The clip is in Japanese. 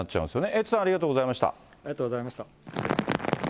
エイトさん、ありがとうございました。